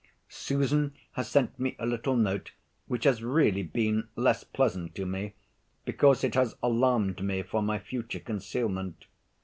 Susan has sent me a little note which has really been less pleasant to me, because it has alarmed me for my future concealment.